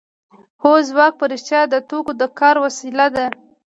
هو ځواک په رښتیا د توکو د کار وسیله ده